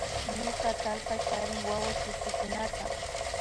Ñuka atallpa charin wawa chuchikunata